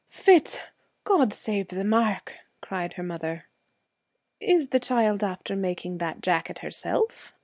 'Fit! God save the mark!' cried her mother. 'Is the child after making that jacket herself?'